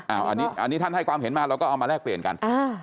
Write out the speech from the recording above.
อันนี้ท่านให้ความเห็นมาเราก็เอามาแลกเปลี่ยนกัน